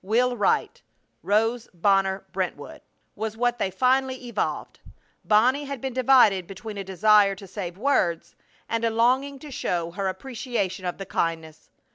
Will write. ROSE BONNER BRENTWOOD. was what they finally evolved. Bonnie had been divided between a desire to save words and a longing to show her appreciation of the kindness.